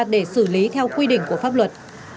để xử lý theo quy định của pháp luật